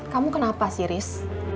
kamu kenapa sih riz